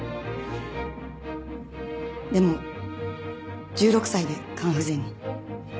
でも１６歳で肝不全に。